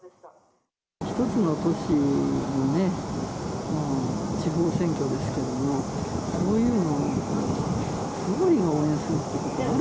一つの都市のね、地方選挙ですけども、そういうのを総理が応援する